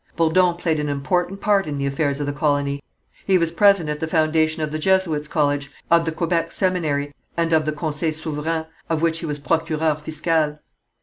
Bourdon played an important part in the affairs of the colony. He was present at the foundation of the Jesuits' college, of the Quebec seminary, and of the Conseil Souverain, of which he was procureur fiscal.